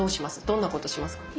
どんなことしますか？